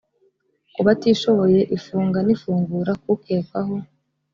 ku batishoboye ifunga n ifungura k ukekwaho